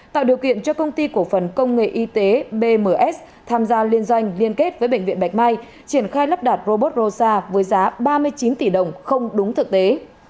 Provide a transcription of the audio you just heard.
tạo điều kiện cho công ty cổ phần công nghệ y tế bms tham gia liên doanh liên kết với bệnh viện bạch mai triển khai lắp đặt robot rosa với giá ba mươi chín tỷ đồng không đúng thực tế